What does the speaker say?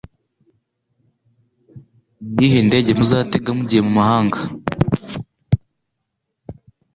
ni iyihe ndege muzatega mugiye mu mahanga